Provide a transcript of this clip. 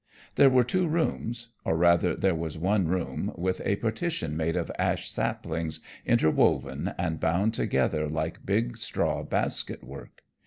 There were two rooms, or rather there was one room with a partition made of ash saplings interwoven and bound together like big straw basket work.